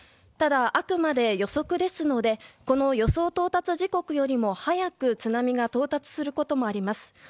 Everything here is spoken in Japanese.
ただ、あくまで予測ですのでこの予想到達時刻よりも早く津波が到達することもあります。